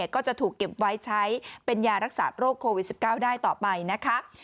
ก็จะถูกเก็บไว้ใช้เป็นยารักษาโรคโควิด๑๙ได้ต่อไปนะคะ